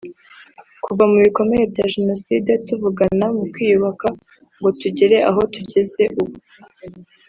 Kuva mu bikomere bya Jenoside tugana mu kwiyubaka ngo tugere aho tugeze ubu